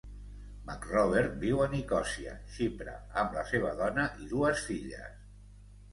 McRobert viu a Nicòsia, Xipre amb la seva dona i dues filles.